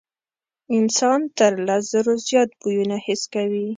انسان تر لس زرو زیات بویونه حس کوي.